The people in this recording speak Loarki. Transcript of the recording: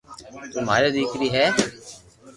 تو ماري ديڪري ھي